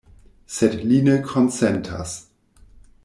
Sed li ne konsentas.